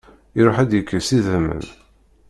Iruḥ ad d-yekkes idammen.